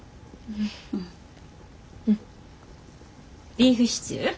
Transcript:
ビーフシチュー？